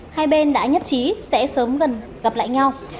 hai bên đã nhất trí sẽ sớm gần gặp lại nhau